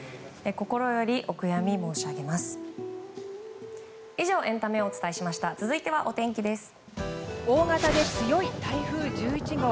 心よりお悔やみ申し上げます。